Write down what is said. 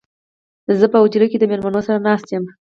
زه په حجره کې د مېلمنو سره ناست يم